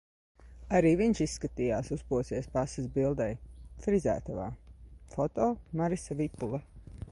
Arī viņš izskatījās uzposies pases bildei. Frizētavā. Foto: Marisa Vipule